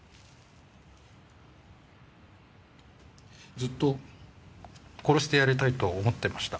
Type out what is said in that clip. ずっと殺してやりたいと思ってました。